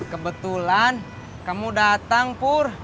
kebetulan kamu datang pur